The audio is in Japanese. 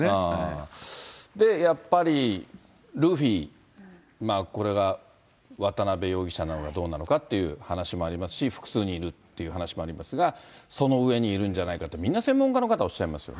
やっぱり、ルフィ、これが渡辺容疑者なのかどうなのかという話もありますし、複数人いるという話もありますが、その上にいるんじゃないかと、みんな、専門家の方おっしゃいますよね。